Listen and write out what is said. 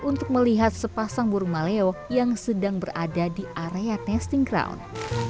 untuk melihat sepasang burung maleo yang sedang berada di area testing ground